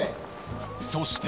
そして